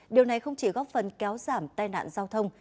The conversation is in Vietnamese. điều này không chỉ góp phần kéo giảm tai nạn giao thông